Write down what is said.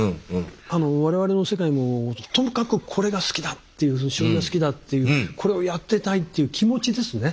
あの我々の世界もともかくこれが好きだっていう将棋が好きだっていうこれをやってたいという気持ちですね。